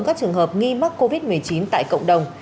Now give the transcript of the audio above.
các trường hợp nghi mắc covid một mươi chín tại cộng đồng